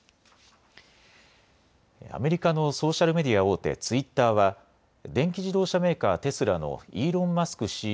アメリカのソーシャルメディア大手、ツイッターは電気自動車メーカー、テスラのイーロン・マスク